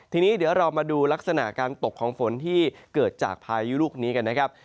ทีนี้เดี๋ยวเรามาดูลักษณะการตกของฝนที่เกิดจากพายุลูกนี้กันนะครับ